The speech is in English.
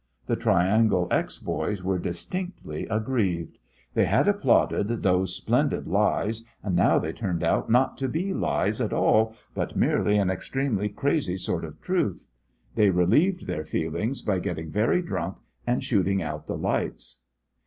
The Triangle X boys were distinctly aggrieved. They had applauded those splendid lies, and now they turned out not to be lies at all, but merely an extremely crazy sort of truth. They relieved their feelings by getting very drunk and shooting out the lights.